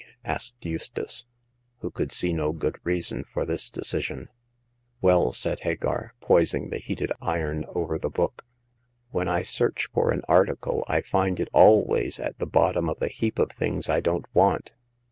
asked Eustace, who could see no good reason for this decision. " Well," said Hagar, poising the heated iron over the book, "when I search for an article I find it always at the bottom of a heap of things I don't want.